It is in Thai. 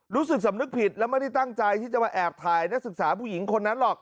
รู้สึกสำนึกผิดแล้วไม่ได้ตั้งใจที่จะมาแอบถ่ายนักศึกษาผู้หญิงคนนั้นหรอก